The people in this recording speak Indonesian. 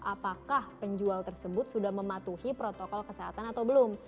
apakah penjual tersebut sudah mematuhi protokol kesehatan atau belum